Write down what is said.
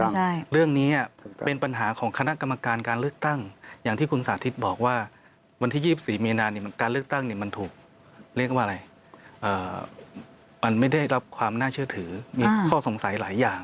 ใช่เรื่องนี้เป็นปัญหาของคณะกรรมการการเลือกตั้งอย่างที่คุณสาธิตบอกว่าวันที่๒๔มีนาเนี่ยการเลือกตั้งเนี่ยมันถูกเรียกว่าอะไรมันไม่ได้รับความน่าเชื่อถือมีข้อสงสัยหลายอย่าง